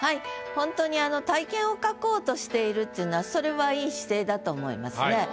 ほんとに体験を書こうとしているっていうのはそれは良い姿勢だと思いますね。